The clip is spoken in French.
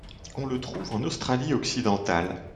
On le trouve en Australie-Occidentale.